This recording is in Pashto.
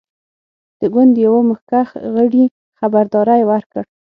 د ګوند یوه مخکښ غړي خبرداری ورکړ.